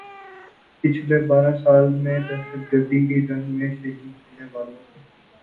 پچھلے بارہ سال میں دہشت گردی کی جنگ میں شہید ہونے والوں